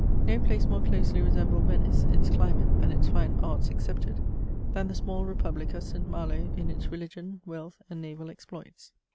No place more closely resembled Venice, its climate and its fine arts excepted, than the small republic of St. Malo in its religion, wealth, and naval exploits.